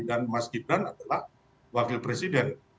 dan mas gibran adalah wakil presiden